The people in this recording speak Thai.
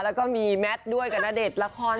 แล้วก็มีแมทด้วยกับณเดชน์ละคร